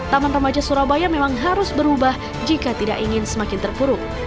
taman remaja surabaya memang harus berubah jika tidak ingin semakin terpuruk